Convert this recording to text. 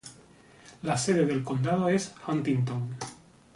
La sede del condado es Huntington.